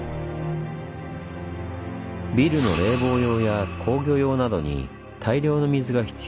ビルの冷房用や工業用などに大量の水が必要となっていました。